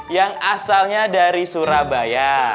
yang asalnya dari surabaya